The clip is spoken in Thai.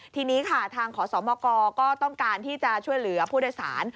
ทีนี้ค่ะทางขอสมกก็ต้องการที่จะช่วยเหลือผู้โดยสาร